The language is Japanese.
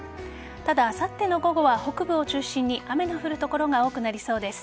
ただ、あさっての午後は北部を中心に雨の降る所が多くなりそうです。